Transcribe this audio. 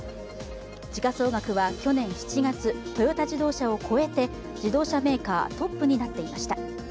時価総額は去年７月トヨタ自動車を超えて自動車メーカートップになっていました。